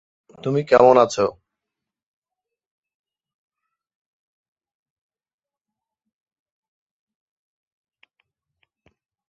পরদিন আইনস্টাইনের প্রতিটা যুক্তিকে খণ্ডন করে বোর বাহিনী ব্যাখ্যা করেছিলেন অনিশ্চয়তা নীতি কেন ঠিক।